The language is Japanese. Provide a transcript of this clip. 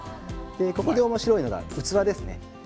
ここでおもしろいのが器です。